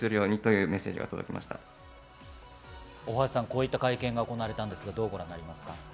こういった会見が行われたんですが、どうご覧になりますか？